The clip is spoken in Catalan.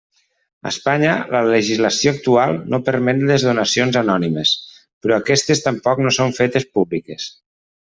A Espanya, la legislació actual no permet les donacions anònimes, però aquestes tampoc no són fetes públiques.